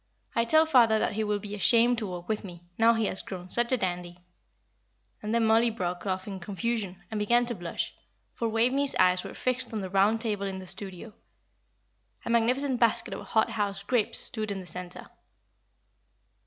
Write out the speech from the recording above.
I tell father that he will be ashamed to walk with me, now he has grown such a dandy." And then Mollie broke off in confusion, and began to blush, for Waveney's eyes were fixed on the round table in the studio. A magnificent basket of hot house grapes stood in the centre.